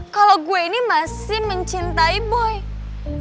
kalo gua ini masih mencintai boy